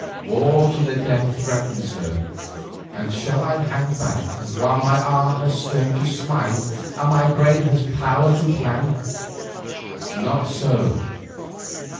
War to the death threatens her, and shall I hang back while my arm has strength to smite and my brain has power to plan? Not so.